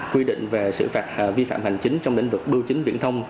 quy định về xử phạt vi phạm hành chính trong lĩnh vực bưu chính viễn thông